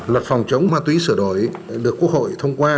luật phòng chống ma túy sửa đổi được quốc hội thông qua